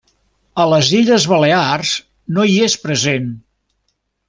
A les Illes Balears no hi és present.